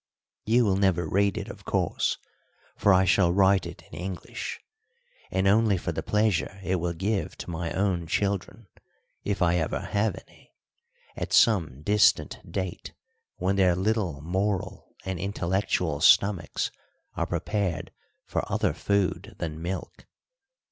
You will never read it, of course, for I shall write it in English, and only for the pleasure it will give to my own children if I ever have any at some distant date, when their little moral and intellectual stomachs are prepared for other food than milk.